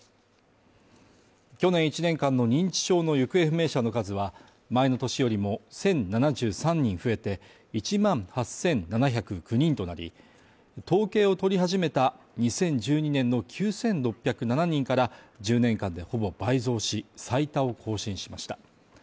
去年１年間の認知症の行方不明者の数は前の年よりも、１０７３人増えて１万８７０９人となり、統計を取り始めた２０１２年の９６０７人から１０年間でほぼ倍増し、最多を更新しました。